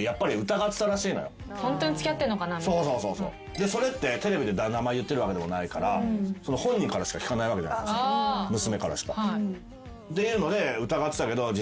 でそれってテレビで名前言ってるわけでもないから本人からしか聞かない娘からしか。っていうので疑ってたけど。